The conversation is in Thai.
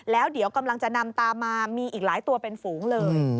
แล้วเดี๋ยวกำลังจะนำตามมามีอีกหลายตัวเป็นฝูงเลย